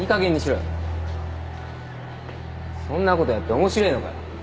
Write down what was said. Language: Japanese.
そんなことやって面白えのかよ